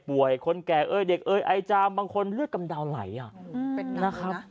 คนแก่เอ้ยเด็กเอ่ยไอจามบางคนเลือดกำดาวไหลนะครับ